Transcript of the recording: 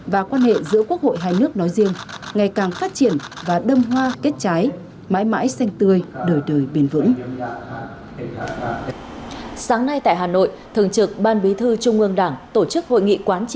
và quan hệ giữa quốc hội hai nước nói riêng ngày càng phát triển và đâm hoa kết trái mãi mãi xanh tươi đời đời bền vững